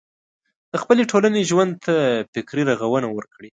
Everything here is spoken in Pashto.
د خپلې ټولنې ژوند ته فکري روغونه ورکړي.